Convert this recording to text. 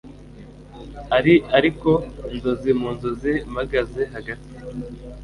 Ari ariko inzozi mu nzozi Mpagaze hagati